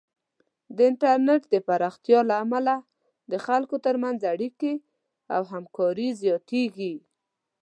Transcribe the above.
د انټرنیټ د پراختیا له امله د خلکو ترمنځ اړیکې او همکاري زیاتېږي.